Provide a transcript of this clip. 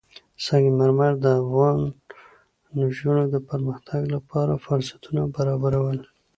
سنگ مرمر د افغان نجونو د پرمختګ لپاره فرصتونه برابروي.